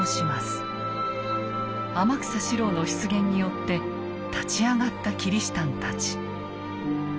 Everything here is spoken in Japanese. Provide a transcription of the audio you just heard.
天草四郎の出現によって立ち上がったキリシタンたち。